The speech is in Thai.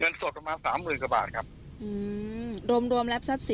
เงินสดละครับพี่